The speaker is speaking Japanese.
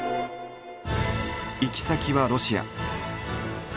行き先はロシア。